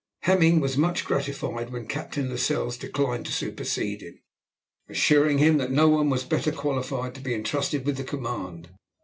Hemming was much gratified when Captain Lascelles declined to supersede him, assuring him that no one was better qualified to be entrusted with the command.